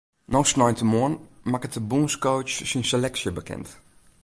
No sneintemoarn makket de bûnscoach syn seleksje bekend.